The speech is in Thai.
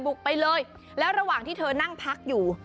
ไปเลยแล้วระหว่างที่เธอนั่งพักอยู่